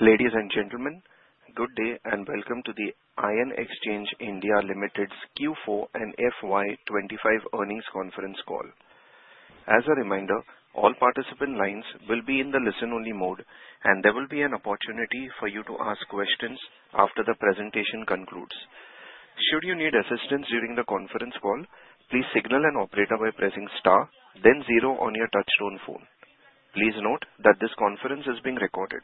Ladies and gentlemen, good day and welcome to the Ion Exchange India Limited's Q4 and FY 2025 earnings conference call. As a reminder, all participant lines will be in the listen only mode, and there will be an opportunity for you to ask questions after the presentation concludes. Should you need assistance during the conference call, please signal an operator by pressing star then zero on your touchtone phone. Please note that this conference is being recorded.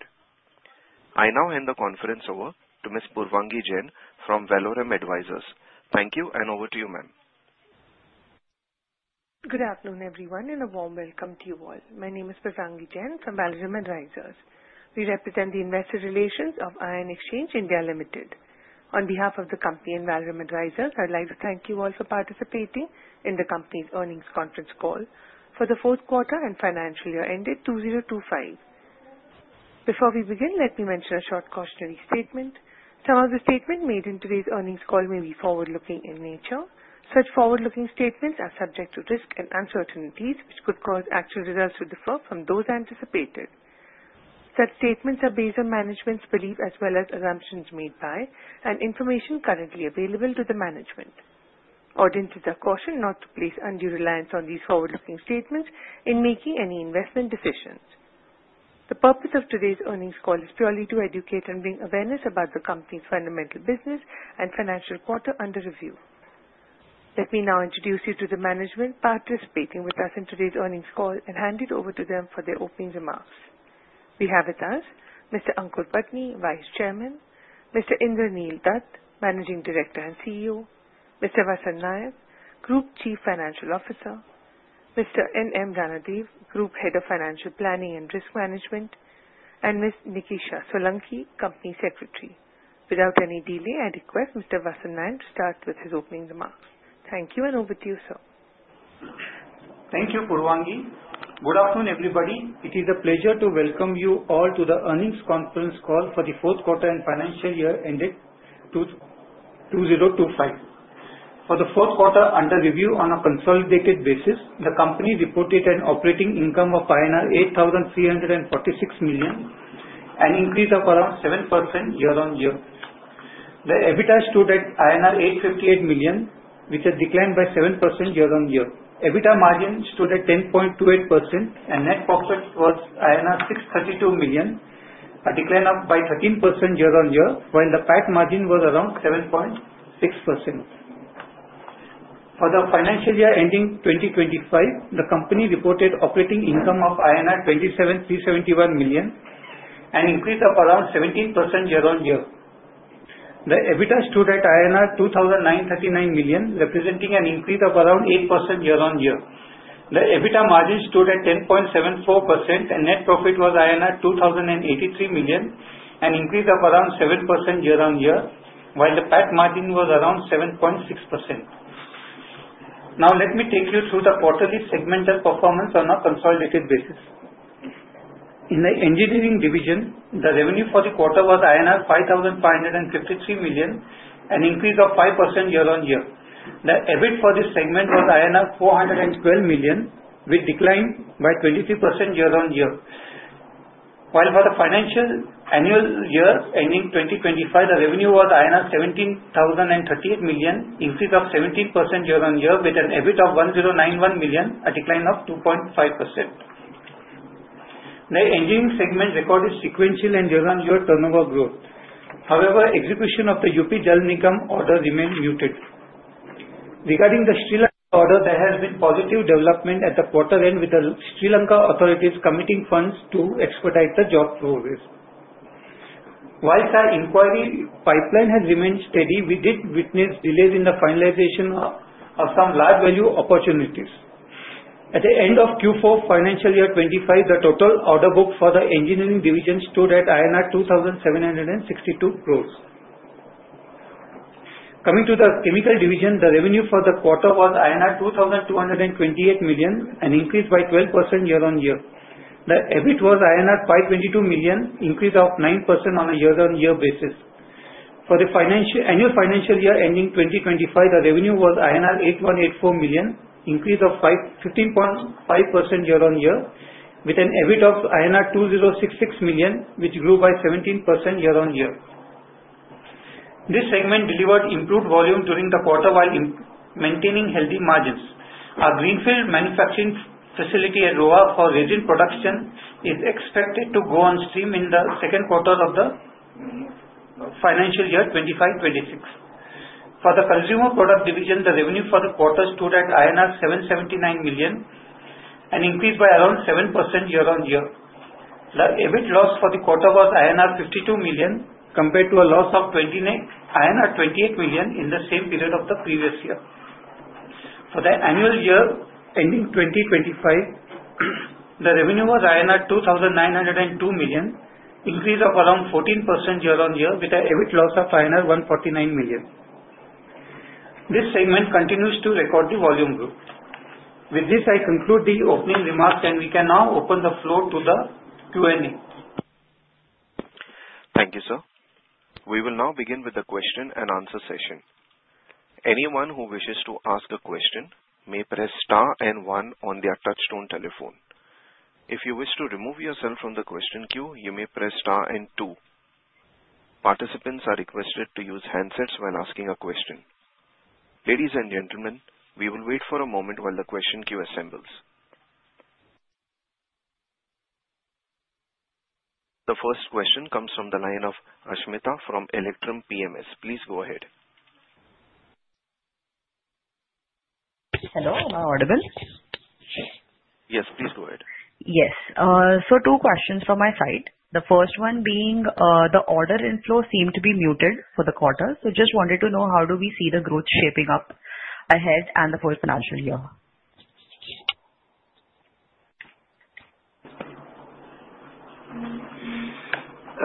I now hand the conference over to Ms. Purvangi Jain from Valorum Advisors. Thank you, and over to you, ma'am. Good afternoon, everyone, and a warm welcome to you all. My name is Purvangi Jain from Valorum Advisors. We represent the investor relations of Ion Exchange India Limited. On behalf of the company and Valorum Advisors, I'd like to thank you all for participating in the company's earnings conference call for the fourth quarter and financial year ended 2025. Before we begin, let me mention a short cautionary statement. Some of the statements made in today's earnings call may be forward-looking in nature. Such forward-looking statements are subject to risks and uncertainties, which could cause actual results to differ from those anticipated. Such statements are based on management's belief as well as assumptions made by, and information currently available to, the management. Audience is cautioned not to place undue reliance on these forward-looking statements in making any investment decisions. The purpose of today's earnings call is purely to educate and bring awareness about the company's fundamental business and financial quarter under review. Let me now introduce you to the management participating with us in today's earnings call and hand it over to them for their opening remarks. We have with us Mr. Aankur Patni, Vice Chairman, Mr. Indraneel Dutt, Managing Director and CEO, Mr. Vasant Naik, Group Chief Financial Officer, Mr. N.M. Ranadive, Group Head of Financial Planning and Risk Management, and Ms. Nikisha Solanki, Company Secretary. Without any delay, I'd request Mr. Vasant Naik to start with his opening remarks. Thank you, and over to you, sir. Thank you, Purvangi. Good afternoon, everybody. It is a pleasure to welcome you all to the earnings conference call for the fourth quarter and financial year ended 2025. For the fourth quarter under review on a consolidated basis, the company reported an operating income of 8,346 million, an increase of around 7% year-on-year. The EBITDA stood at INR 858 million, which has declined by 7% year-on-year. EBITDA margin stood at 10.28%, and net profit was 632 million, a decline by 13% year-on-year, while the PAT margin was around 7.6%. For the financial year ending 2025, the company reported operating income of INR 27,371 million, an increase of around 17% year-on-year. The EBITDA stood at INR 2,939 million, representing an increase of around 8% year-on-year. The EBITDA margin stood at 10.74%. Net profit was INR 2,083 million, an increase of around 7% year-on-year, while the PAT margin was around 7.6%. Let me take you through the quarterly segmental performance on a consolidated basis. In the engineering division, the revenue for the quarter was INR 5,553 million, an increase of 5% year-on-year. The EBIT for this segment was INR 412 million, which declined by 23% year-on-year. For the financial annual year ending 2025, the revenue was INR 17,038 million, an increase of 17% year-on-year, with an EBIT of 1,091 million, a decline of 2.5%. The engineering segment recorded sequential and year-on-year turnover growth. However, execution of the UP Jal Nigam order remained muted. Regarding the Sri Lanka order, there has been positive development at the quarter end, with the Sri Lanka authorities committing funds to expedite the job progress. Our inquiry pipeline has remained steady, we did witness delays in the finalization of some large-value opportunities. At the end of Q4 financial year 2025, the total order book for the engineering division stood at INR 2,762 crores. Coming to the chemical division, the revenue for the quarter was INR 2,228 million, an increase by 12% year-on-year. The EBIT was INR 522 million, an increase of 9% on a year-on-year basis. For the annual financial year ending 2025, the revenue was INR 8,184 million, an increase of 15.5% year-on-year, with an EBIT of INR 2,066 million, which grew by 17% year-on-year. This segment delivered improved volume during the quarter while maintaining healthy margins. Our greenfield manufacturing facility at Roha for resin production is expected to go on stream in the second quarter of the financial year 2025-2026. For the consumer product division, the revenue for the quarter stood at INR 779 million, an increase by around 7% year-on-year. The EBIT loss for the quarter was INR 52 million, compared to a loss of INR 28 million in the same period of the previous year. For the annual year ending 2025, the revenue was 2,902 million, an increase of around 14% year-on-year, with an EBIT loss of 149 million. This segment continues to record the volume growth. With this, I conclude the opening remarks. We can now open the floor to the Q&A. Thank you, sir. We will begin with the question and answer session. Anyone who wishes to ask a question may press star and one on their touchtone telephone. If you wish to remove yourself from the question queue, you may press star and two. Participants are requested to use handsets when asking a question. Ladies and gentlemen, we will wait for a moment while the question queue assembles. The first question comes from the line of Ashmita from Electrum PMS. Please go ahead. Hello, am I audible? Yes. Please go ahead. Yes. Two questions from my side. The first one being, the order inflow seemed to be muted for the quarter. Just wanted to know how do we see the growth shaping up ahead and the fourth financial year?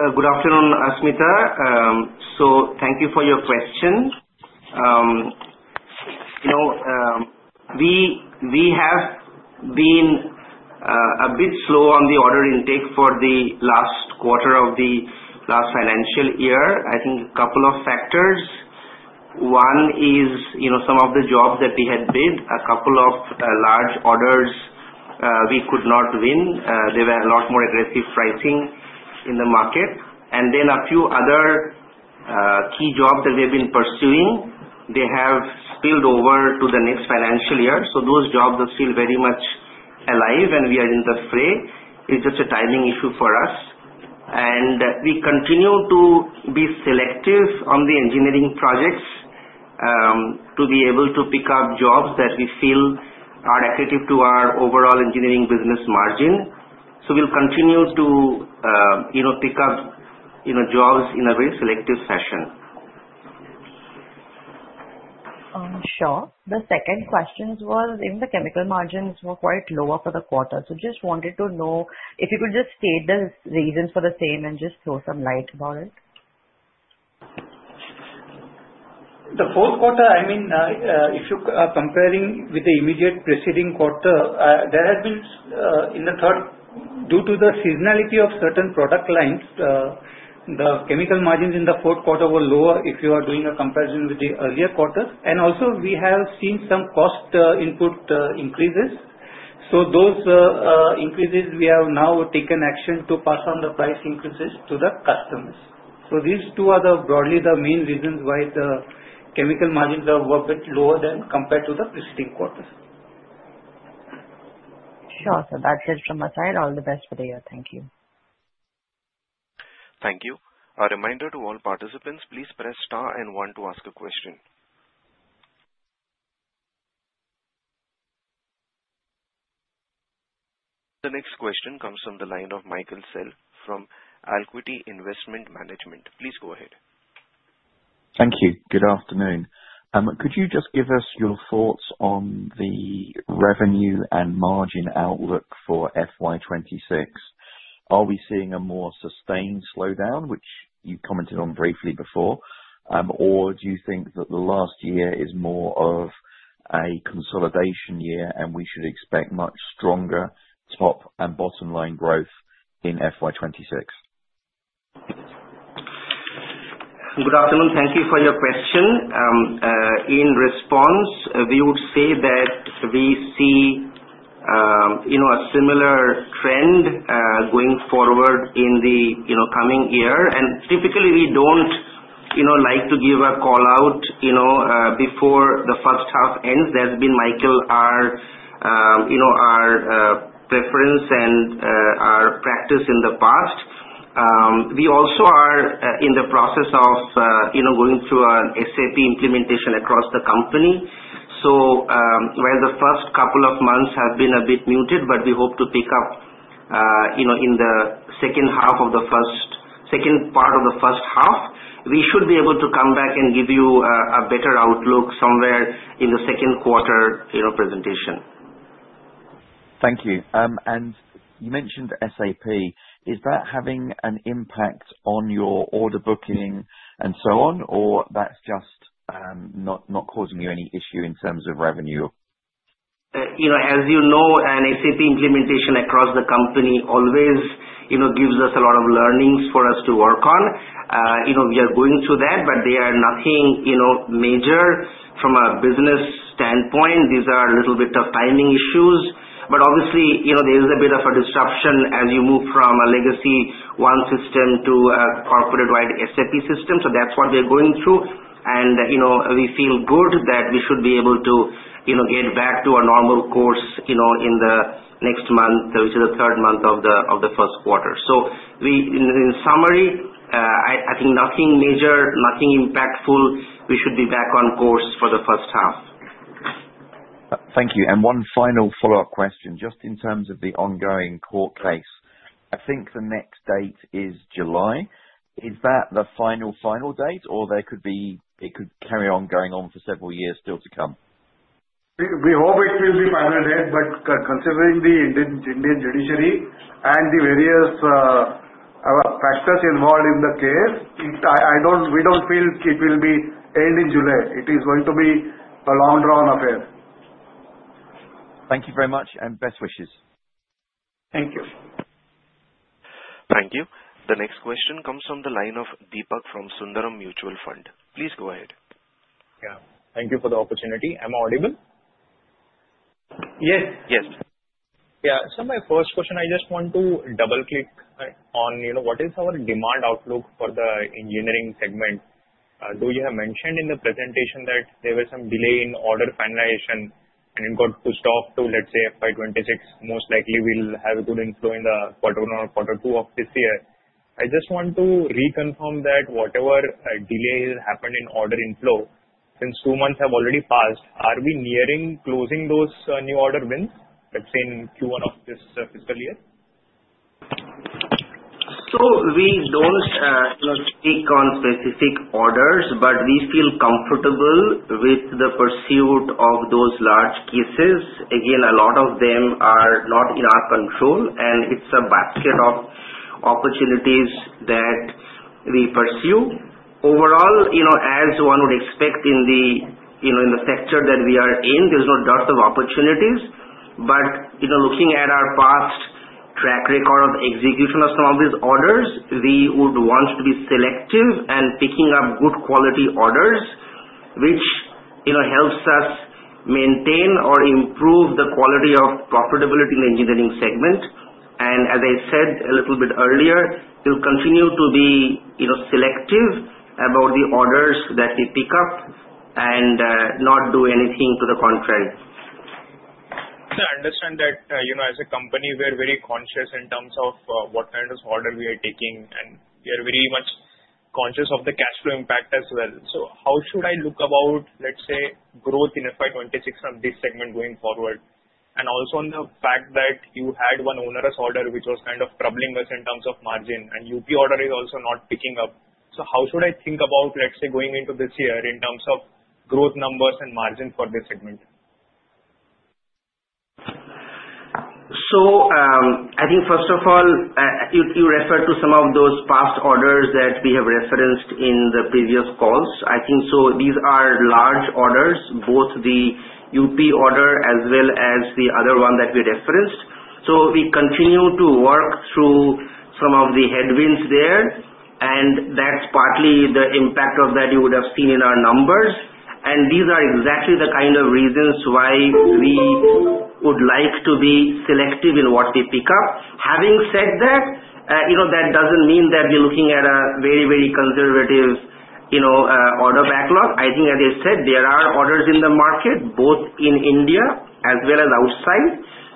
Good afternoon, Ashmita. Thank you for your question. We have been a bit slow on the order intake for the last quarter of the last financial year. I think a couple of factors. One is, some of the jobs that we had bid, a couple of large orders we could not win. They were a lot more aggressive pricing in the market. A few other key jobs that we've been pursuing, they have spilled over to the next financial year. Those jobs are still very much alive, and we are in the fray. It's just a timing issue for us. We continue to be selective on the engineering projects, to be able to pick up jobs that we feel are accretive to our overall engineering business margin. We'll continue to pick up jobs in a very selective fashion. Sure. The second question was if the chemical margins were quite lower for the quarter. Just wanted to know if you could just state the reasons for the same and just throw some light about it. The fourth quarter, if you are comparing with the immediate preceding quarter, there has been, in the third, due to the seasonality of certain product lines, the chemical margins in the fourth quarter were lower if you are doing a comparison with the earlier quarters. Also we have seen some cost input increases. Those increases, we have now taken action to pass on the price increases to the customers. These two are broadly the main reasons why the chemical margins are a bit lower than compared to the preceding quarters. Sure. That's it from my side. All the best for the year. Thank you. Thank you. A reminder to all participants, please press star and one to ask a question. The next question comes from the line of Mike Sell from Alquity Investment Management. Please go ahead. Thank you. Good afternoon. Could you just give us your thoughts on the revenue and margin outlook for FY 2026? Are we seeing a more sustained slowdown, which you commented on briefly before, or do you think that the last year is more of a consolidation year, and we should expect much stronger top and bottom-line growth in FY 2026? Good afternoon. Thank you for your question. In response, we would say that we see a similar trend going forward in the coming year. Typically, we don't like to give a call-out before the first half ends. That's been, Michael, our preference and our practice in the past. We also are in the process of going through an SAP implementation across the company. While the first couple of months have been a bit muted, we hope to pick up in the second part of the first half. We should be able to come back and give you a better outlook somewhere in the second quarter presentation. Thank you. You mentioned SAP. Is that having an impact on your order booking and so on, or that's just not causing you any issue in terms of revenue? As you know, an SAP implementation across the company always gives us a lot of learnings for us to work on. We are going through that, they are nothing major from a business standpoint. These are a little bit of timing issues, obviously, there is a bit of a disruption as you move from a legacy one system to a corporate-wide SAP system. That's what we're going through. We feel good that we should be able to get back to a normal course in the next month, which is the third month of the first quarter. In summary, I think nothing major, nothing impactful. We should be back on course for the first half. Thank you. One final follow-up question, just in terms of the ongoing court case. I think the next date is July. Is that the final date, or it could carry on going on for several years still to come? We hope it will be final date, considering the Indian judiciary and the various factors involved in the case, we don't feel it will end in July. It is going to be a long-run affair. Thank you very much and best wishes. Thank you. Thank you. The next question comes from the line of Deepak from Sundaram Mutual Fund. Please go ahead. Yeah, thank you for the opportunity. Am I audible? Yes. My first question, I just want to double-click on what is our demand outlook for the engineering segment. Though you have mentioned in the presentation that there was some delay in order finalization and got pushed off to, let's say, FY 2026, most likely we'll have a good inflow in the quarter one or quarter two of this year. I just want to reconfirm that whatever delay happened in order inflow, since two months have already passed, are we nearing closing those new order wins, let's say, in Q1 of this fiscal year? We don't speak on specific orders, but we feel comfortable with the pursuit of those large cases. Again, a lot of them are not in our control, and it's a basket of opportunities that we pursue. Overall, as one would expect in the sector that we are in, there's no dearth of opportunities. Looking at our past track record of execution of some of these orders, we would want to be selective and picking up good quality orders, which helps us maintain or improve the quality of profitability in the engineering segment. As I said a little bit earlier, we'll continue to be selective about the orders that we pick up and not do anything to the contrary. Sir, I understand that, as a company, we are very conscious in terms of what kind of order we are taking, and we are very much conscious of the cash flow impact as well. How should I look about, let's say, growth in FY 2026 of this segment going forward? Also on the fact that you had one onerous order, which was kind of troubling us in terms of margin, and UP order is also not picking up. How should I think about, let's say, going into this year in terms of growth numbers and margin for this segment? I think first of all, you refer to some of those past orders that we have referenced in the previous calls. I think so these are large orders, both the UP order as well as the other one that we referenced. We continue to work through some of the headwinds there, and that's partly the impact of that you would have seen in our numbers. These are exactly the kind of reasons why we would like to be selective in what we pick up. Having said that doesn't mean that we're looking at a very conservative order backlog. I think as I said, there are orders in the market, both in India as well as outside,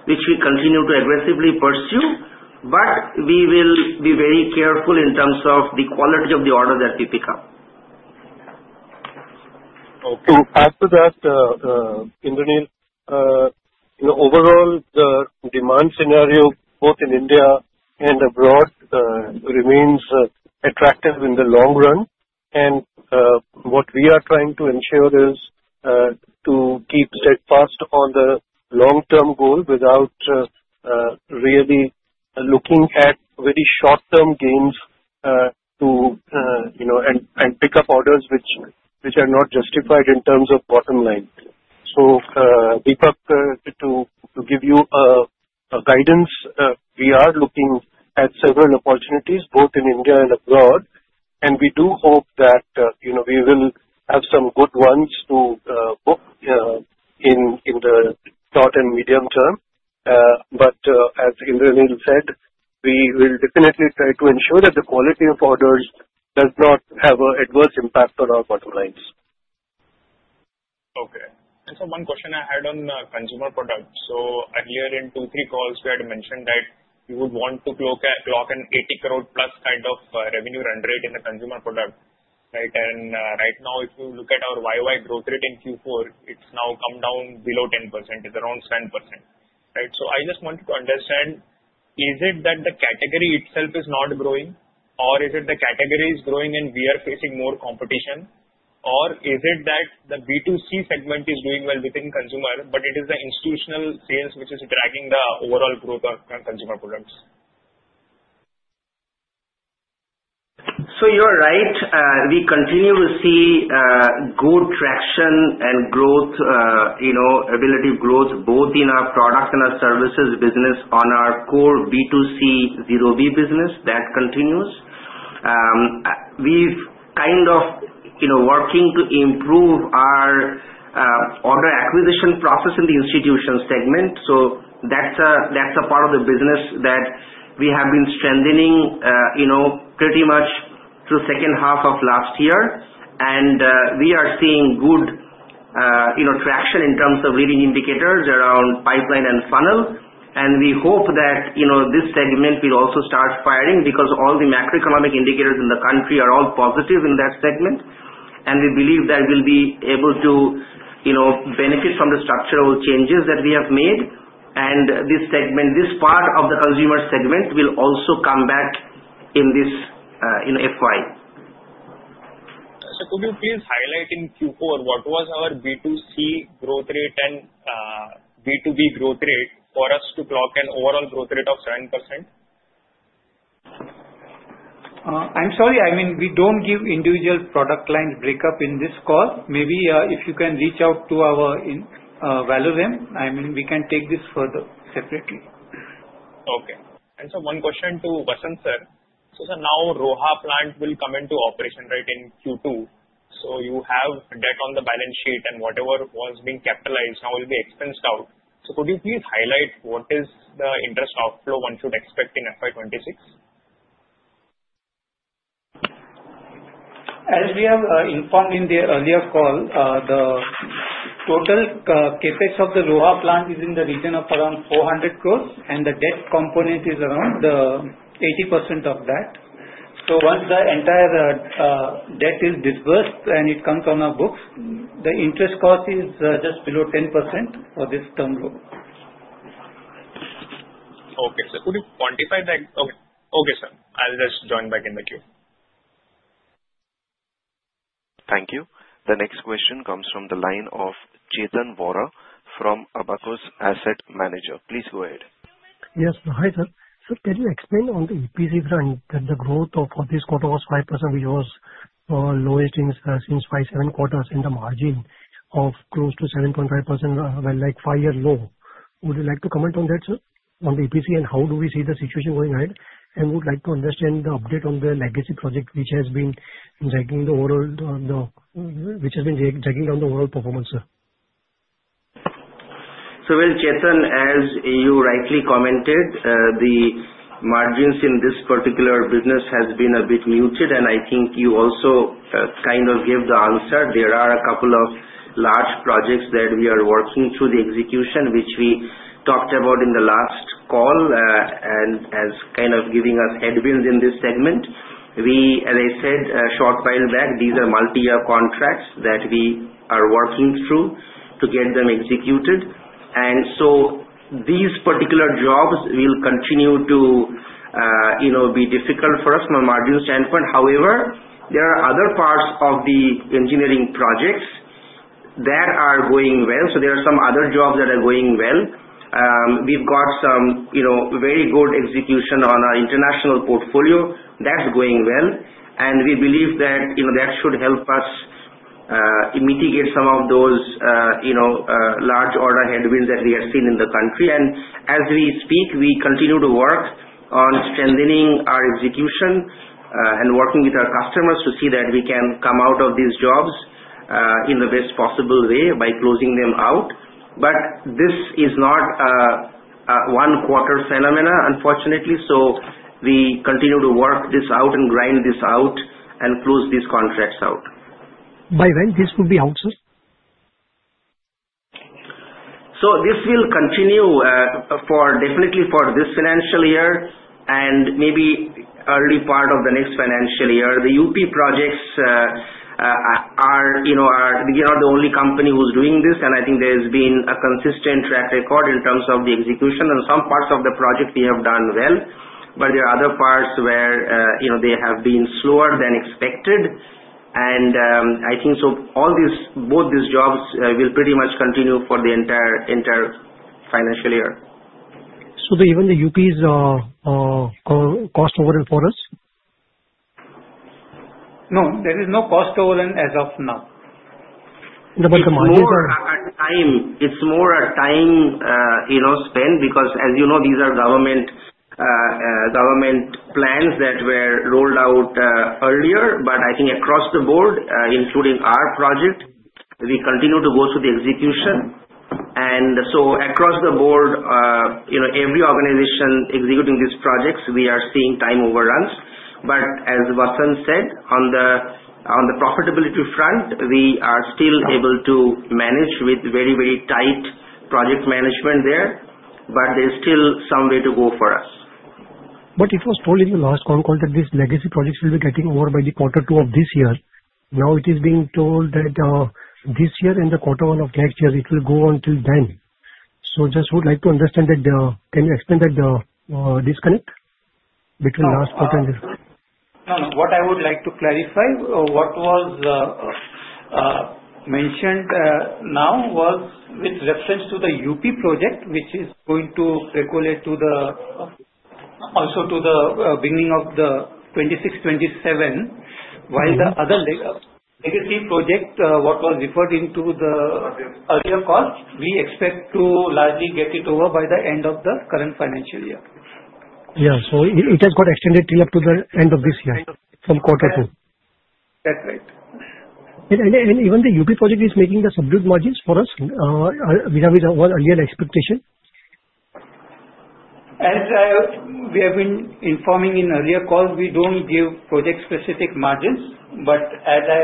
which we continue to aggressively pursue, but we will be very careful in terms of the quality of the order that we pick up. Okay. To add to that, Indraneel, overall the demand scenario both in India and abroad remains attractive in the long run. What we are trying to ensure is to keep steadfast on the long-term goal without really looking at very short-term gains and pick up orders which are not justified in terms of bottom line. Deepak, to give you a guidance, we are looking at several opportunities both in India and abroad, and we do hope that we will have some good ones to book in the short and medium term. As Indraneel said, we will definitely try to ensure that the quality of orders does not have an adverse impact on our bottom lines. Okay. One question I had on consumer products. Earlier in two, three calls, we had mentioned that you would want to clock an 80 crore plus kind of revenue run rate in the consumer product. Right now, if you look at our year-over-year growth rate in Q4, it's now come down below 10%, it's around 7%. I just wanted to understand, is it that the category itself is not growing, or is it the category is growing and we are facing more competition, or is it that the B2C segment is doing well within consumer, but it is the institutional sales which is dragging the overall growth of consumer products? You're right. We continue to see good traction and growth, relative growth both in our products and our services business on our core B2C, B2B business. That continues. That's a part of the business that we have been strengthening pretty much through second half of last year. We are seeing good traction in terms of leading indicators around pipeline and funnel. We hope that this segment will also start firing because all the macroeconomic indicators in the country are all positive in that segment. We believe that we'll be able to benefit from the structural changes that we have made. This segment, this part of the consumer segment will also come back in FY. Sir, could you please highlight in Q4 what was our B2C growth rate and B2B growth rate for us to clock an overall growth rate of 7%? I'm sorry. We don't give individual product line breakups in this call. Maybe if you can reach out to our Valorum, we can take this further separately. Okay. One question to Vasant sir. Sir, now Roha plant will come into operation right in Q2. You have debt on the balance sheet and whatever was being capitalized now will be expensed out. Could you please highlight what is the interest outflow one should expect in FY 2026? As we have informed in the earlier call, the total CapEx of the Roha plant is in the region of around 400 crore, and the debt component is around 80% of that. Once the entire debt is disbursed and it comes on our books, the interest cost is just below 10% for this term loan. Okay, sir. Could you quantify that? Okay, sir. I will just join back in the queue. Thank you. The next question comes from the line of Chetan Vora from Abakkus Asset Manager. Please go ahead. Yes. Hi, sir. Sir, can you explain on the EPC front that the growth of this quarter was 5%, which was lowest since five, seven quarters, and the margin of close to 7.5% was five-year low. Would you like to comment on that, sir, on the EPC and how do we see the situation going ahead? Would like to understand the update on the legacy project which has been dragging down the overall performance, sir. Well, Chetan, as you rightly commented, the margins in this particular business have been a bit muted, and I think you also kind of gave the answer. There are a couple of large projects that we are working through the execution, which we talked about in the last call, and are kind of giving us headwinds in this segment. As I said a short while back, these are multi-year contracts that we are working through to get them executed. These particular jobs will continue to be difficult for us from a margin standpoint. However, there are other parts of the engineering projects that are going well. There are some other jobs that are going well. We've got some very good execution on our international portfolio. That's going well, and we believe that should help us mitigate some of those large order headwinds that we have seen in the country. As we speak, we continue to work on strengthening our execution and working with our customers to see that we can come out of these jobs in the best possible way by closing them out. This is not a one-quarter phenomenon, unfortunately. We continue to work this out and grind this out and close these contracts out. By when this could be out, sir? This will continue definitely for this financial year and maybe early part of the next financial year. The U.P. projects, we are not the only company who's doing this. I think there's been a consistent track record in terms of the execution, and some parts of the project we have done well, but there are other parts where they have been slower than expected. I think both these jobs will pretty much continue for the entire financial year. Even the UP is cost overrun for us? No, there is no cost overrun as of now. The margins are. It's more a time spent because as you know, these are government plans that were rolled out earlier, but I think across the board, including our project, we continue to go through the execution. Across the board, every organization executing these projects, we are seeing time overruns. As Vasant said, on the profitability front, we are still able to manage with very tight project management there, but there's still some way to go for us. It was told in the last con call that these legacy projects will be getting over by the quarter two of this year. Now it is being told that this year, in the quarter one of next year, it will go on till then. Just would like to understand that. Can you explain that disconnect between last quarter and this? What I would like to clarify, what was mentioned now was with reference to the UP project, which is going to percolate also to the beginning of the 2026/2027, while the other legacy project, what was referred into the earlier calls, we expect to largely get it over by the end of the current financial year. It has got extended till up to the end of this year from quarter two. That's right. Even the UP project is making the subdued margins for us vis-à-vis our earlier expectation? As we have been informing in earlier calls, we don't give project-specific margins. As I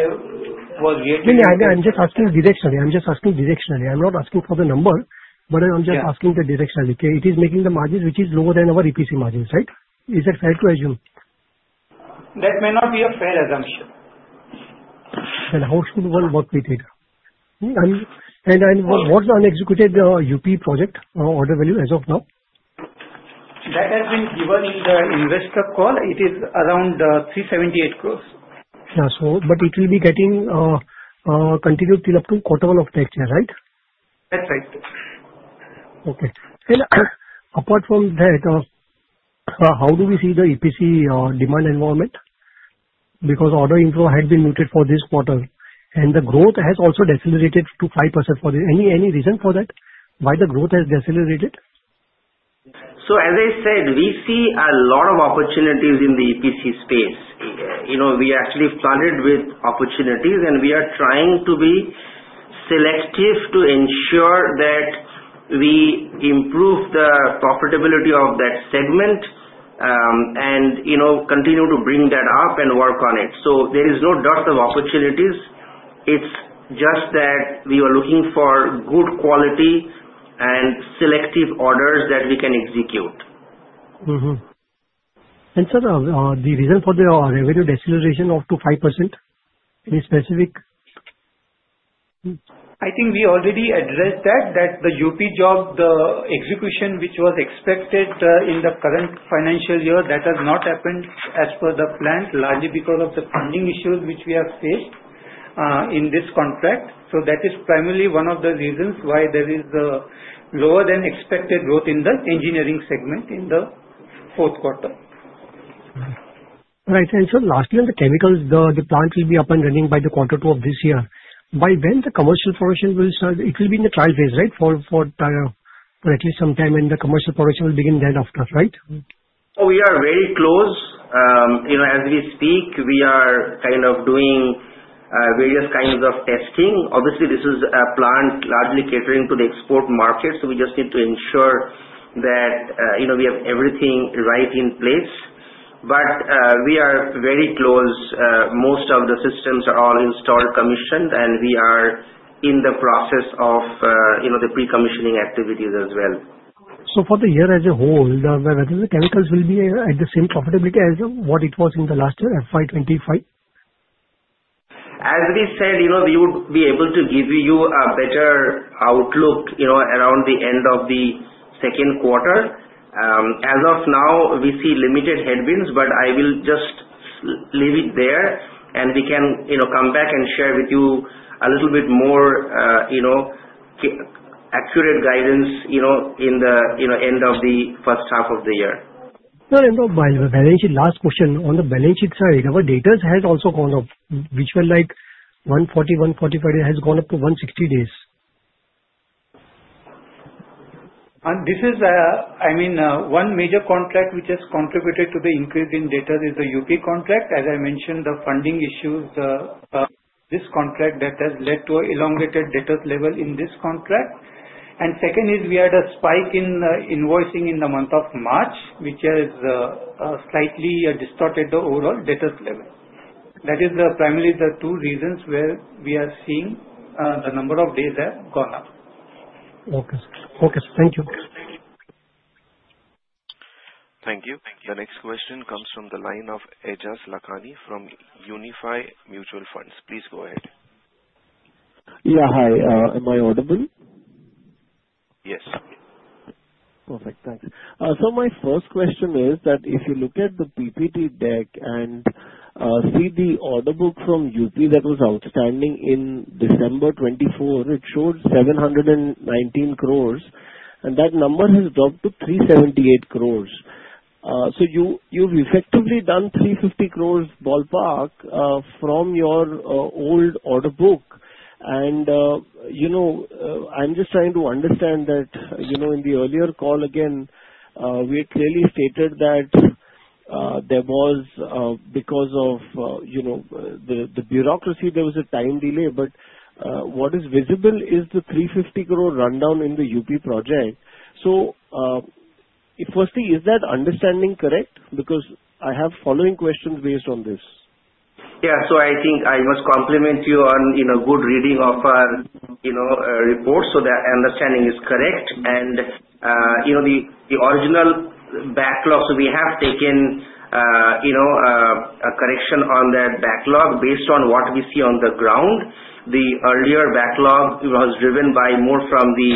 was reiterating No, I'm just asking directionally. I'm not asking for the number, but I'm just asking the directionality. It is making the margins which is lower than our EPC margins, right? Is that fair to assume? That may not be a fair assumption. How should one work with it? What's the unexecuted UP project order value as of now? That has been given in the investor call. It is around 378 crores. It will be getting continued till up to quarter one of next year, right? That's right. Okay. Sir, apart from that, how do we see the EPC demand environment? Because order inflow had been muted for this quarter and the growth has also decelerated to 5%. Any reason for that, why the growth has decelerated? As I said, we see a lot of opportunities in the EPC space. We actually started with opportunities and we are trying to be selective to ensure that we improve the profitability of that segment and continue to bring that up and work on it. There is no dearth of opportunities. It is just that we are looking for good quality and selective orders that we can execute. And sir, the reason for the revenue deceleration up to 5%? Any specific I think we already addressed that the UP job, the execution which was expected in the current financial year, that has not happened as per the plan, largely because of the funding issues which we have faced in this contract. That is primarily one of the reasons why there is lower-than-expected growth in the engineering segment in the fourth quarter. Right. Sir, lastly on the chemicals, the plant will be up and running by the quarter 2 of this year. By when the commercial production will start? It will be in the trial phase, right, for at least some time and the commercial production will begin then after, right? We are very close. As we speak, we are doing various kinds of testing. Obviously, this is a plant largely catering to the export market, so we just need to ensure that we have everything right in place. We are very close. Most of the systems are all installed, commissioned, and we are in the process of the pre-commissioning activities as well. For the year as a whole, the chemicals will be at the same profitability as what it was in the last year at 525? As we said, we would be able to give you a better outlook around the end of the second quarter. As of now, we see limited headwinds, I will just leave it there and we can come back and share with you a little bit more accurate guidance in the end of the first half of the year. No. Last question. On the balance sheet side, our debtors has also gone up, which were like 140, 145 days, has gone up to 160 days. One major contract which has contributed to the increase in debtors is the UP contract. As I mentioned, the funding issues, this contract that has led to elongated debtors level in this contract. Second is we had a spike in invoicing in the month of March, which has slightly distorted the overall debtors level. That is primarily the two reasons where we are seeing the number of days have gone up. Okay. Thank you. Thank you. The next question comes from the line of Ejaz Lakani from Unifi Mutual Fund. Please go ahead. Yeah. Hi. Am I audible? Yes. Perfect, thanks. My first question is that if you look at the PPT deck and see the order book from UP that was outstanding in December 2024, it showed 719 crore, and that number has dropped to 378 crore. You've effectively done 350 crore ballpark from your old order book. I'm just trying to understand that in the earlier call again, we clearly stated that because of the bureaucracy, there was a time delay, but what is visible is the 350 crore rundown in the UP project. Firstly, is that understanding correct? Because I have following questions based on this. Yeah. I think I must compliment you on good reading of our report. That understanding is correct. The original backlog. We have taken a correction on the backlog based on what we see on the ground. The earlier backlog was driven by more from the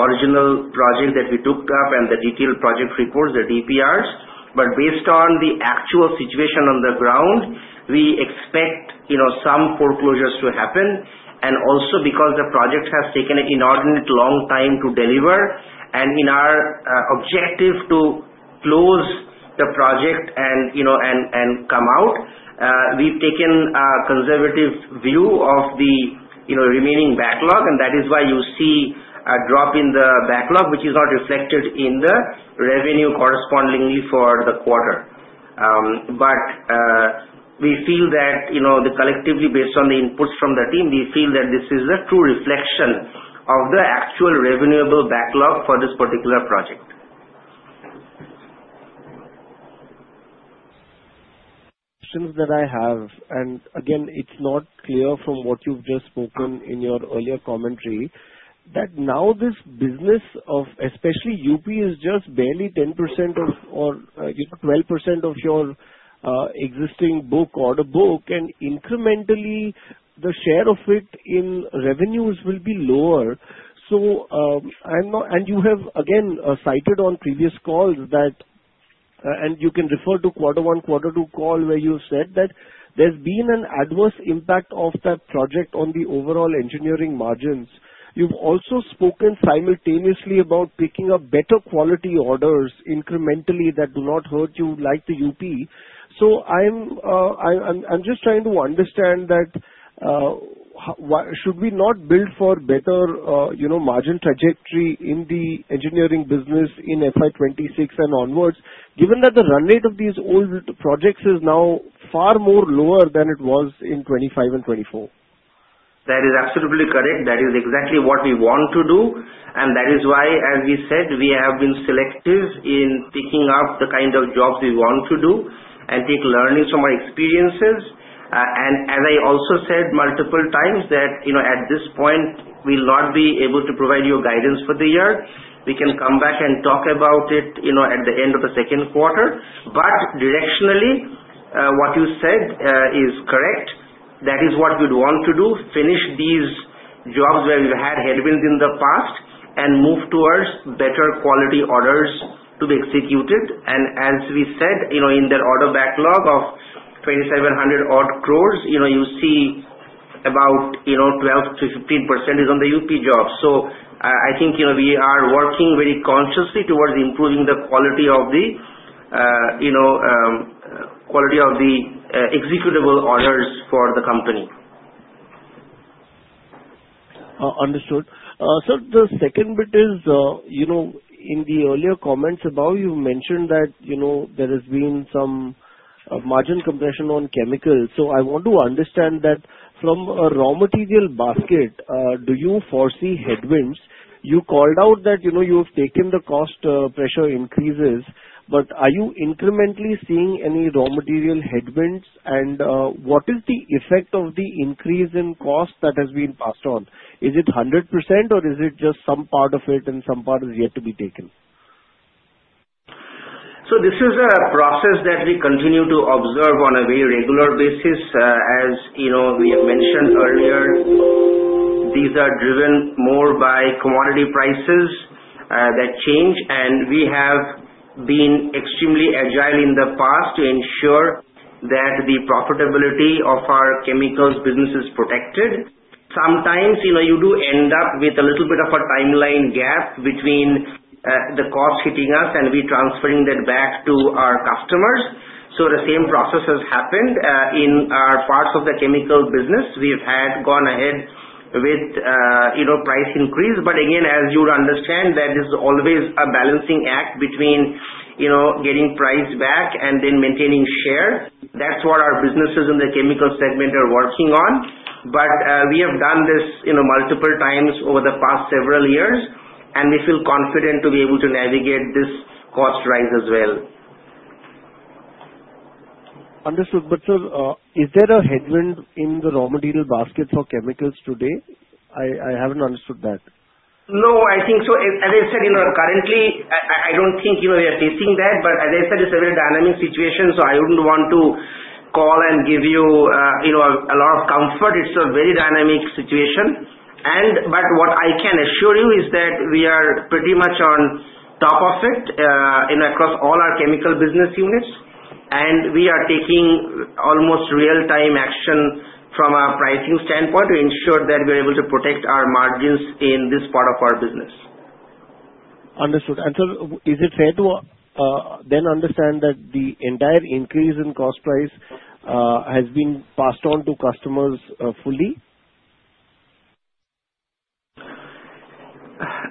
original project that we took up and the detailed project reports, the DPRs. Based on the actual situation on the ground, we expect some foreclosures to happen. Also because the projects have taken inordinate long time to deliver, and in our objective to close the project and come out, we've taken a conservative view of the remaining backlog, and that is why you see a drop in the backlog, which is not reflected in the revenue correspondingly for the quarter. We feel that collectively, based on the inputs from the team, we feel that this is a true reflection of the actual revenueable backlog for this particular project. Questions that I have, again, it's not clear from what you've just spoken in your earlier commentary, that now this business of especially UP is just barely 10% or 12% of your existing book order book, incrementally, the share of it in revenues will be lower. You have again cited on previous calls that you can refer to quarter one, quarter two call where you said that there's been an adverse impact of that project on the overall engineering margins. You've also spoken simultaneously about picking up better quality orders incrementally that do not hurt you like the UP. I'm just trying to understand that should we not build for better margin trajectory in the engineering business in FY 2026 and onwards, given that the run rate of these old projects is now far more lower than it was in 2025 and 2024? That is absolutely correct. That is exactly what we want to do, that is why, as we said, we have been selective in picking up the kind of jobs we want to do and take learnings from our experiences. As I also said multiple times that, at this point, we'll not be able to provide you a guidance for the year. We can come back and talk about it at the end of the second quarter. Directionally, what you said is correct. That is what we'd want to do, finish these jobs where we've had headwinds in the past and move towards better quality orders to be executed. As we said, in that order backlog of 2,700 odd crores, you see about 12%-15% is on the UP jobs. I think we are working very consciously towards improving the quality of the executable orders for the company. Understood. Sir, the second bit is in the earlier comments about you mentioned that there has been some margin compression on chemicals. I want to understand that from a raw material basket, do you foresee headwinds? You called out that you've taken the cost pressure increases, but are you incrementally seeing any raw material headwinds? What is the effect of the increase in cost that has been passed on? Is it 100% or is it just some part of it and some part is yet to be taken? This is a process that we continue to observe on a very regular basis. As we have mentioned earlier, these are driven more by commodity prices that change, and we have been extremely agile in the past to ensure that the profitability of our chemicals business is protected. Sometimes, you do end up with a little bit of a timeline gap between the cost hitting us and we transferring that back to our customers. The same process has happened in our parts of the chemical business. We've gone ahead with price increase. Again, as you would understand, that is always a balancing act between getting price back and then maintaining share. That's what our businesses in the chemical segment are working on. We have done this multiple times over the past several years, and we feel confident to be able to navigate this cost rise as well. Understood. Sir, is there a headwind in the raw material basket for chemicals today? I haven't understood that. No. As I said, currently I don't think we are facing that. As I said, it's a very dynamic situation, so I wouldn't want to call and give you a lot of comfort. It's a very dynamic situation. What I can assure you is that we are pretty much on top of it and across all our chemical business units, and we are taking almost real-time action from a pricing standpoint to ensure that we're able to protect our margins in this part of our business. Understood. Sir, is it fair to then understand that the entire increase in cost price has been passed on to customers fully?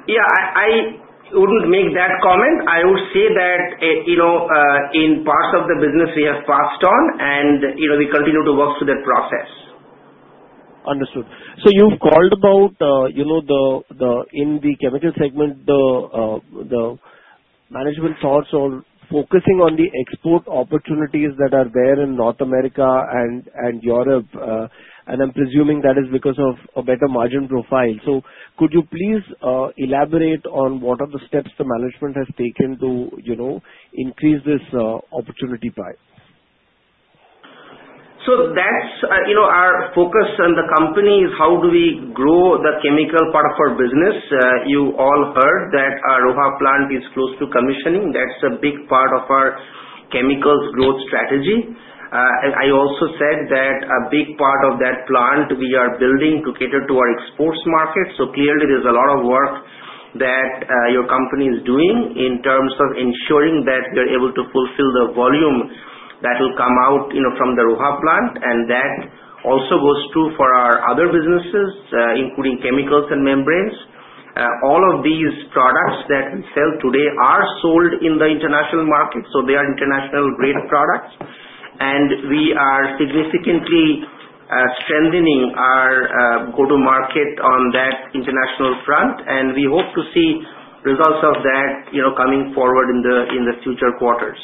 Yeah, I wouldn't make that comment. I would say that in parts of the business we have passed on, and we continue to work through that process. Understood. You've called about in the chemical segment, the management thoughts on focusing on the export opportunities that are there in North America and Europe, I'm presuming that is because of a better margin profile. Could you please elaborate on what are the steps the management has taken to increase this opportunity pipe? That's our focus on the company is how do we grow the chemical part of our business? You all heard that our Roha plant is close to commissioning. That's a big part of our chemicals growth strategy. I also said that a big part of that plant we are building to cater to our exports market. Clearly there's a lot of work that your company is doing in terms of ensuring that we're able to fulfill the volume that will come out from the Roha plant. That also goes true for our other businesses, including chemicals and membranes. All of these products that we sell today are sold in the international market, they are international grade products. We are significantly strengthening our go-to market on that international front, and we hope to see results of that coming forward in the future quarters.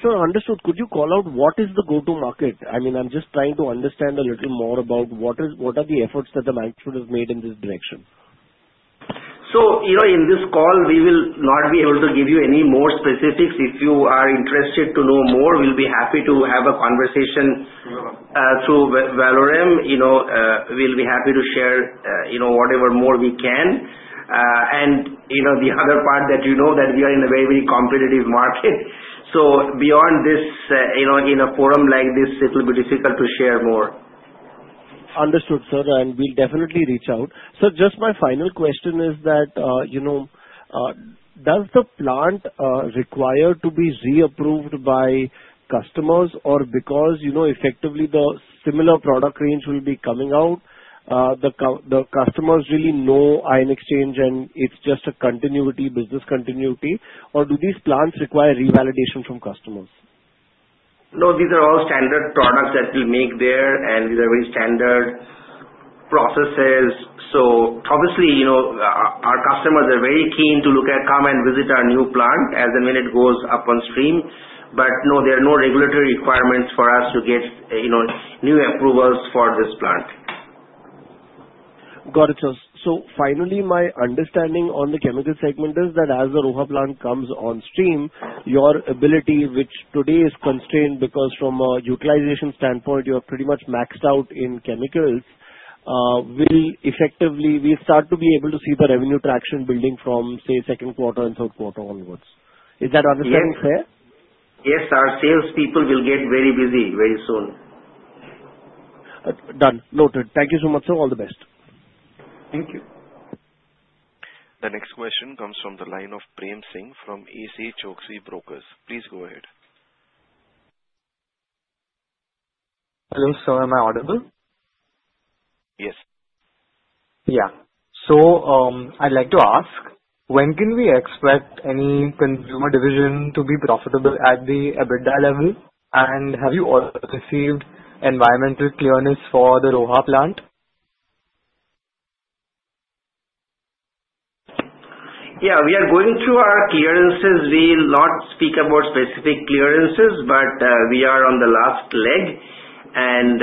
Sir, understood. Could you call out what is the go-to market? I'm just trying to understand a little more about what are the efforts that the management has made in this direction. In this call, we will not be able to give you any more specifics. If you are interested to know more, we'll be happy to have a conversation through Valorum. We'll be happy to share whatever more we can. The other part that you know that we are in a very competitive market. Beyond this, in a forum like this, it'll be difficult to share more. Understood, sir. We'll definitely reach out. Sir, just my final question is that, does the plant require to be reapproved by customers or because effectively the similar product range will be coming out, the customers really know Ion Exchange and it's just a business continuity, or do these plants require revalidation from customers? No, these are all standard products that we make there, and these are very standard processes. Obviously our customers are very keen to look at, come and visit our new plant as and when it goes up on stream. No, there are no regulatory requirements for us to get new approvals for this plant. Got it, sir. Finally, my understanding on the chemical segment is that as the Roha plant comes on stream, your ability, which today is constrained because from a utilization standpoint, you are pretty much maxed out in chemicals, will effectively we start to be able to see the revenue traction building from, say, second quarter and third quarter onwards. Is that understanding fair? Yes. Our salespeople will get very busy very soon. Done. Noted. Thank you so much, sir. All the best. Thank you. The next question comes from the line of Prem Singh from AC Choksi Brokers. Please go ahead. Hello, sir. Am I audible? Yes. Yeah. I'd like to ask, when can we expect any consumer division to be profitable at the EBITDA level? Have you all received environmental clearance for the Roha plant? Yeah. We are going through our clearances. We'll not speak about specific clearances, but we are on the last leg and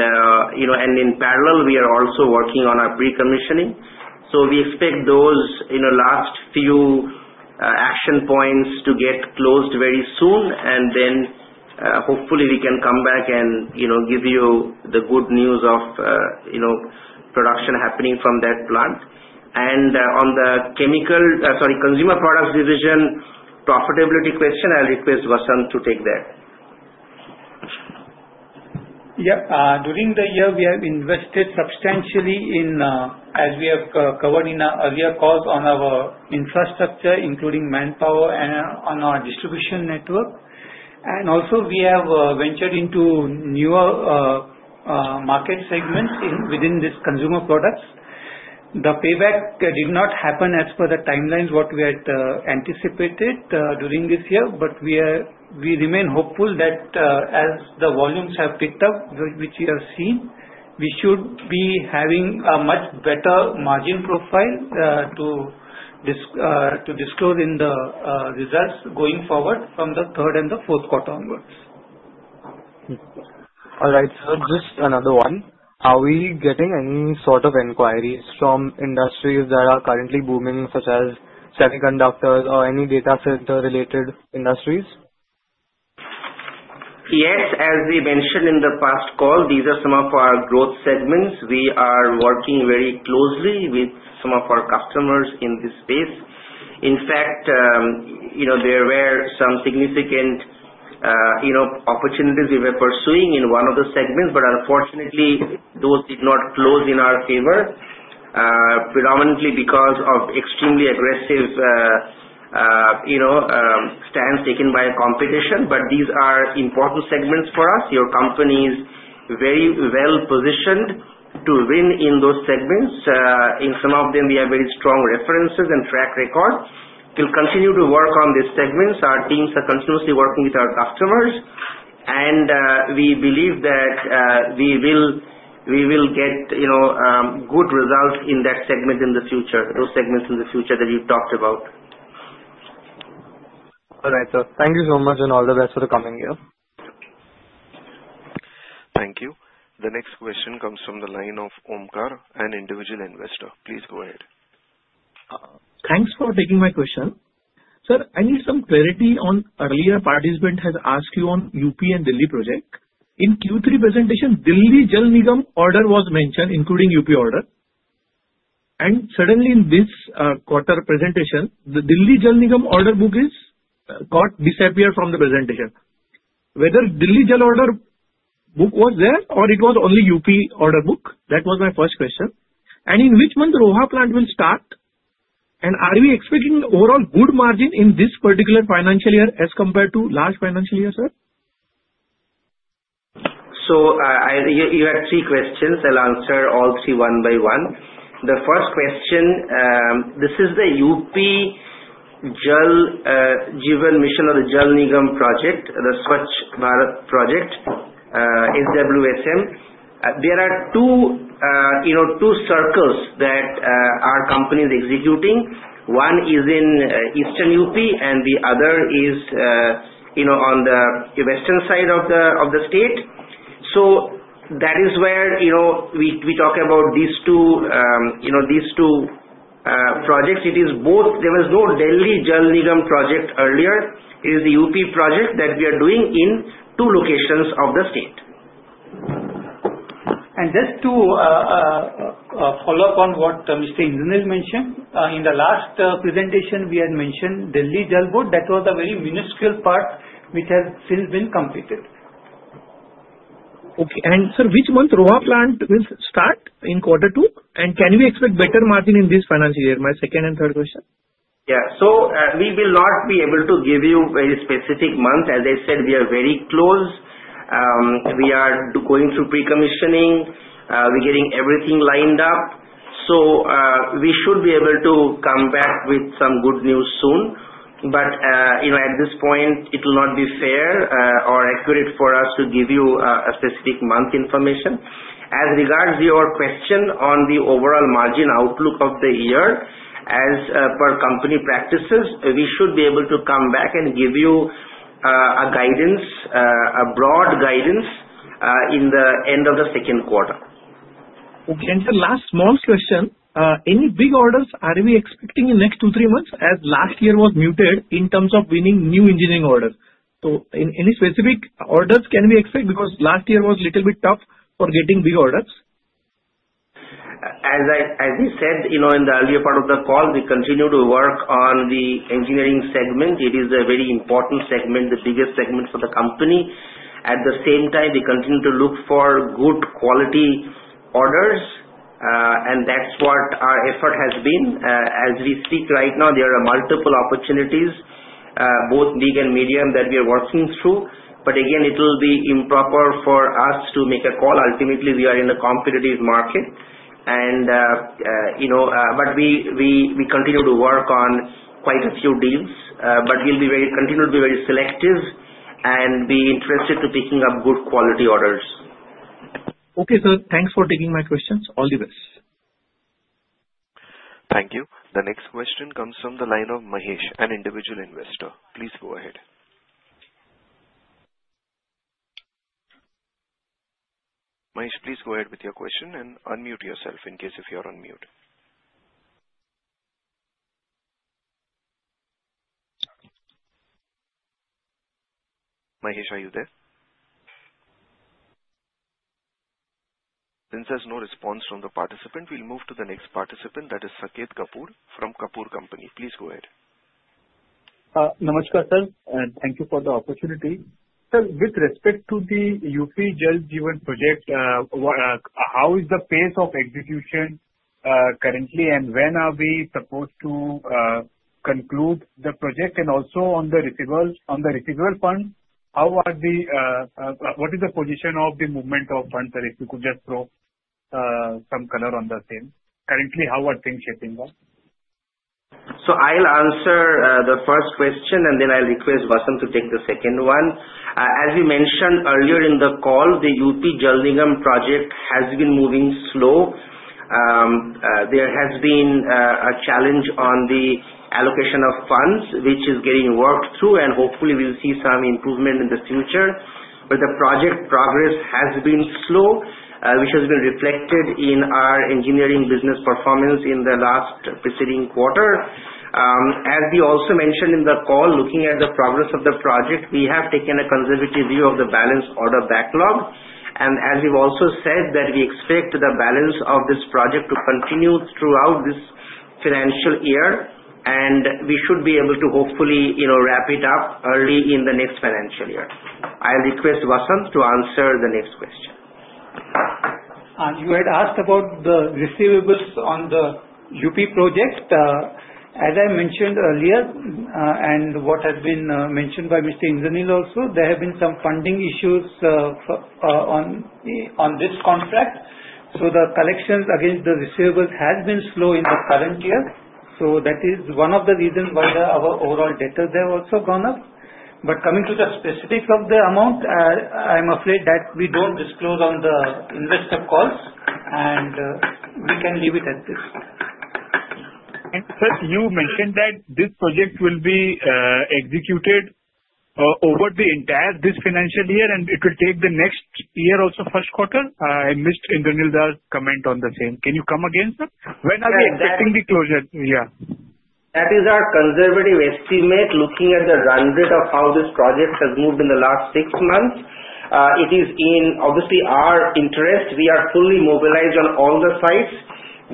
in parallel, we are also working on our pre-commissioning. We expect those last few action points to get closed very soon, and then hopefully, we can come back and give you the good news of production happening from that plant. On the consumer products division profitability question, I'll request Vasant to take that. Yeah. During the year, we have invested substantially in, as we have covered in our earlier calls, on our infrastructure, including manpower and on our distribution network. Also we have ventured into newer market segments within these consumer products. The payback did not happen as per the timelines, what we had anticipated during this year. We remain hopeful that, as the volumes have picked up, which we have seen, we should be having a much better margin profile to disclose in the results going forward from the third and fourth quarter onwards. All right, sir. Just another one. Are we getting any sort of inquiries from industries that are currently booming, such as semiconductors or any data center-related industries? Yes. As we mentioned in the past call, these are some of our growth segments. We are working very closely with some of our customers in this space. In fact, there were some significant opportunities we were pursuing in one of the segments, unfortunately, those did not close in our favor predominantly because of extremely aggressive stance taken by competition. These are important segments for us. Your company is very well-positioned to win in those segments. In some of them, we have very strong references and track record. We'll continue to work on these segments. Our teams are continuously working with our customers, we believe that we will get good results in those segments in the future that you talked about. All right, sir. Thank you so much and all the best for the coming year. Thank you. The next question comes from the line of Omkar, an individual investor. Please go ahead. Thanks for taking my question. Sir, I need some clarity on earlier participant has asked you on UP and Delhi project. In Q3 presentation, Delhi Jal Board order was mentioned, including UP order. Suddenly in this quarter presentation, the Delhi Jal Board order book disappeared from the presentation. Whether Delhi Jal order book was there or it was only UP order book? That was my first question. In which month Roha plant will start, and are we expecting overall good margin in this particular financial year as compared to last financial year, sir? You had three questions. I'll answer all three one by one. The first question, this is the UP Jal Jeevan Mission or the Jal Nigam project, the Swachh Bharat project, SWSM. There are two circles that our company is executing. One is in eastern UP and the other is on the western side of the state. That is where we talk about these two projects. It is both. There was no Delhi Jal Nigam project earlier. It is the UP project that we are doing in two locations of the state. Just to follow up on what Mr. Indraneel mentioned. In the last presentation, we had mentioned Delhi Jal Board. That was a very minuscule part, which has since been completed. Okay. Sir, which month Roha plant will start in quarter two? Can we expect better margin in this financial year? My second and third question. Yeah. We will not be able to give you very specific month. As I said, we are very close. We are going through pre-commissioning. We're getting everything lined up. We should be able to come back with some good news soon. At this point, it will not be fair or accurate for us to give you a specific month information. As regards your question on the overall margin outlook of the year, as per company practices, we should be able to come back and give you a broad guidance in the end of the second quarter. Okay. Sir, last small question. Any big orders are we expecting in next two, three months as last year was muted in terms of winning new engineering orders? Any specific orders can we expect? Last year was little bit tough for getting big orders. As we said in the earlier part of the call, we continue to work on the engineering segment. It is a very important segment, the biggest segment for the company. At the same time, we continue to look for good quality orders. That's what our effort has been. As we speak right now, there are multiple opportunities, both big and medium, that we are working through. Again, it will be improper for us to make a call. Ultimately, we are in a competitive market. We continue to work on quite a few deals. We'll continue to be very selective and be interested to picking up good quality orders. Okay, sir. Thanks for taking my questions. All the best. Thank you. The next question comes from the line of Mahesh, an individual investor. Please go ahead. Mahesh, please go ahead with your question and unmute yourself in case if you're on mute. Mahesh, are you there? Since there's no response from the participant, we'll move to the next participant, that is Saket Kapoor from Kapoor Company. Please go ahead. Namaskar, sir, and thank you for the opportunity. Sir, with respect to the UP Jal Jeevan project, how is the pace of execution currently, and when are we supposed to conclude the project? Also on the receivable funds, what is the position of the movement of funds? Sir, if you could just throw some color on the same. Currently, how are things shaping up? I'll answer the first question, and then I'll request Vasant to take the second one. As we mentioned earlier in the call, the UP Jal Nigam project has been moving slow. There has been a challenge on the allocation of funds, which is getting worked through, and hopefully we'll see some improvement in the future. The project progress has been slow, which has been reflected in our engineering business performance in the last preceding quarter. As we also mentioned in the call, looking at the progress of the project, we have taken a conservative view of the balance order backlog. As we've also said that we expect the balance of this project to continue throughout this financial year, and we should be able to hopefully wrap it up early in the next financial year. I request Vasant to answer the next question. You had asked about the receivables on the UP project. As I mentioned earlier, and what has been mentioned by Mr. Indraneel also, there have been some funding issues on this contract. The collections against the receivables has been slow in the current year. That is one of the reasons why our overall debtors have also gone up. Coming to the specifics of the amount, I'm afraid that we don't disclose on the investor calls, and we can leave it at this. Sir, you mentioned that this project will be executed over the entire this financial year, and it will take the next year also first quarter. I missed Indraneel Dutt' comment on the same. Can you come again, sir? When are we expecting the closure? Yeah. That is our conservative estimate, looking at the run rate of how this project has moved in the last 6 months. It is in obviously our interest. We are fully mobilized on all the sites.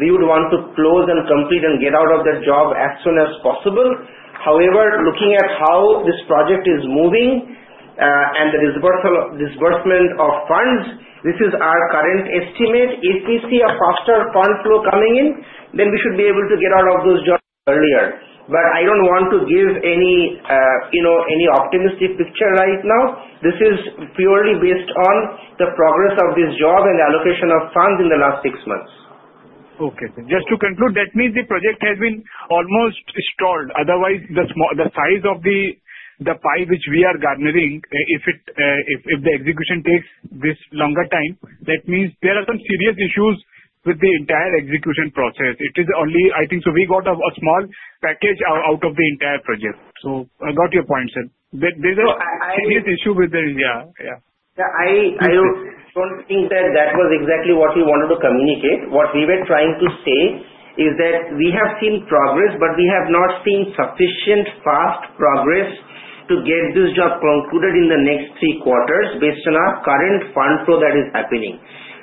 We would want to close and complete and get out of the job as soon as possible. Looking at how this project is moving and the disbursement of funds, this is our current estimate. If we see a faster fund flow coming in, then we should be able to get out of those jobs earlier. I don't want to give any optimistic picture right now. This is purely based on the progress of this job and allocation of funds in the last 6 months. Okay. Just to conclude, that means the project has been almost stalled. The size of the pie which we are garnering, if the execution takes this longer time, that means there are some serious issues with the entire execution process. I think so we got a small package out of the entire project. I got your point, sir. There's a serious issue with the Yeah. I don't think that was exactly what we wanted to communicate. What we were trying to say is that we have seen progress, but we have not seen sufficient fast progress to get this job concluded in the next three quarters based on our current fund flow that is happening.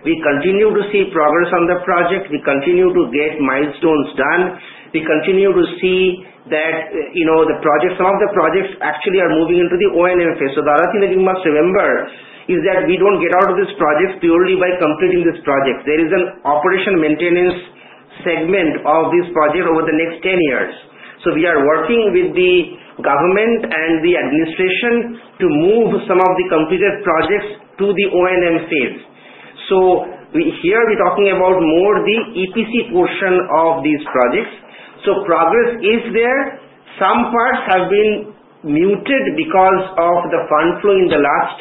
We continue to see progress on the project. We continue to get milestones done. We continue to see that some of the projects actually are moving into the O&M phase. The other thing that you must remember is that we don't get out of this project purely by completing this project. There is an operation maintenance segment of this project over the next 10 years. We are working with the government and the administration to move some of the completed projects to the O&M phase. Here we're talking about more the EPC portion of these projects. Progress is there. Some parts have been muted because of the fund flow in the last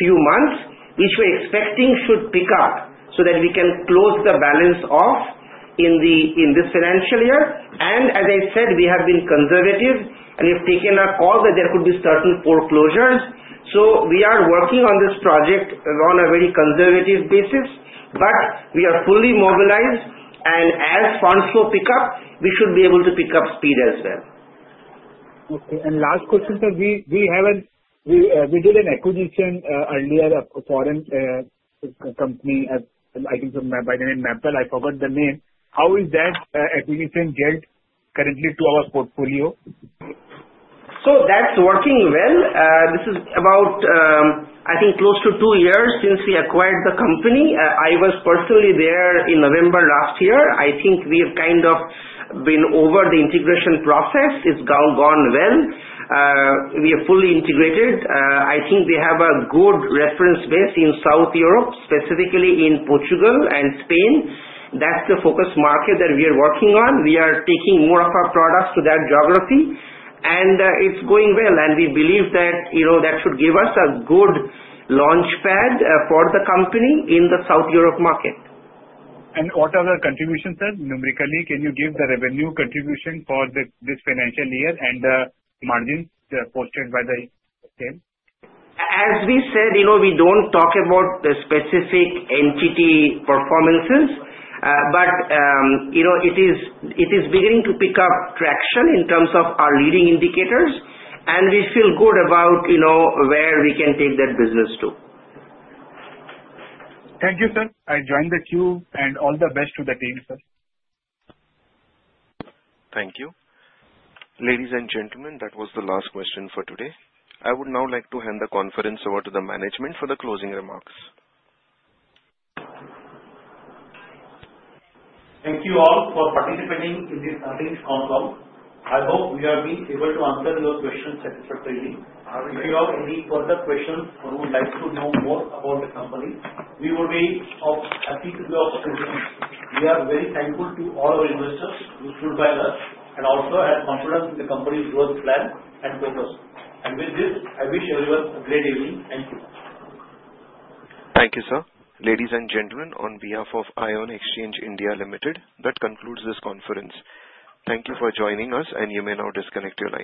few months, which we're expecting should pick up so that we can close the balance off in this financial year. As I said, we have been conservative and we've taken up all that there could be certain foreclosures. We are working on this project on a very conservative basis, but we are fully mobilized and as fund flow pick up, we should be able to pick up speed as well. Okay. Last question, sir. We did an acquisition earlier of a foreign company, I think by the name MAPRIL, I forgot the name. How is that acquisition fit currently to our portfolio? That's working well. This is about, I think close to two years since we acquired the company. I was personally there in November last year. I think we have kind of been over the integration process. It's gone well. We are fully integrated. I think we have a good reference base in South Europe, specifically in Portugal and Spain. That's the focus market that we are working on. We are taking more of our products to that geography, and it's going well, and we believe that should give us a good launchpad for the company in the South Europe market. What are the contributions, sir? Numerically, can you give the revenue contribution for this financial year and the margins posted by the same? As we said, we don't talk about the specific entity performances. It is beginning to pick up traction in terms of our leading indicators, and we feel good about where we can take that business to. Thank you, sir. I join the queue and all the best to the team, sir. Thank you. Ladies and gentlemen, that was the last question for today. I would now like to hand the conference over to the management for the closing remarks. Thank you all for participating in this earnings call. I hope we have been able to answer your questions satisfactorily. If you have any further questions or would like to know more about the company, we will be happy to be of assistance. We are very thankful to all our investors who stood by us and also had confidence in the company's growth plan and focus. With this, I wish everyone a great evening. Thank you. Thank you, sir. Ladies and gentlemen, on behalf of Ion Exchange India Limited, that concludes this conference. Thank you for joining us, and you may now disconnect your lines.